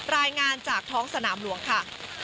รายงานจากท้องสนามหลวงค่ะ